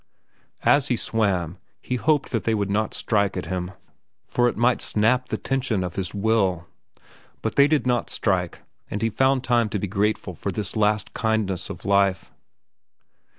As he swam, he hoped that they would not strike at him, for it might snap the tension of his will. But they did not strike, and he found time to be grateful for this last kindness of life.